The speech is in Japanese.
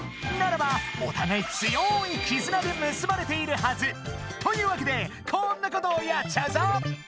ならばおたがい強い絆でむすばれているはず！というわけでこんなことをやっちゃうぞ！